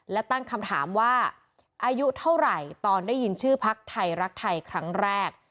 และตั้งคำถามว่าอายุเท่าไหร่ตอนได้ยินชื่อพักไทยรักไทยครั้งแรก